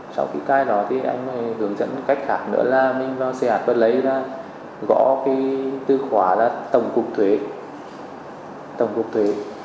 sau khi cài đặt thì anh hướng dẫn cách khác nữa là mình vào xe hạt vật lấy ra gõ cái tư khóa là tổng cục thuế